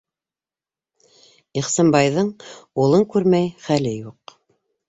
Ихсанбайҙың улын күрмәй хәле юҡ.